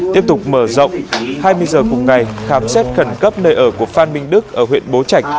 tiếp tục mở rộng hai mươi h cùng ngày khám xét khẩn cấp nơi ở của phan minh đức ở huyện bố trạch